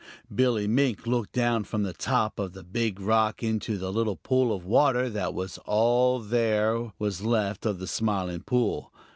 Billy Mink looked down from the top of the Big Rock into the little pool of water that was all there was left of the Smiling Pool.